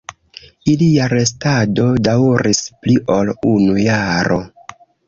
Ilia restado daŭris pli ol unu jaro.